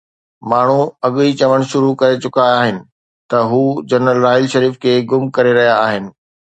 ماڻهو اڳ ئي چوڻ شروع ڪري چڪا آهن ته هو جنرل راحيل شريف کي گم ڪري رهيا آهن.